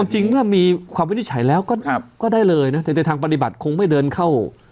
จริงเมื่อมีความวินิจฉัยแล้วก็ได้เลยนะแต่ในทางปฏิบัติคงไม่เดินเข้า